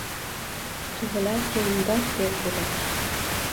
Tug’ilarkan, dod der go’dak